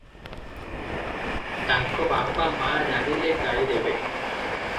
ତାଙ୍କ ବାପା ମା ଜାଣିଲେ ଗାଳି ଦେବେ ।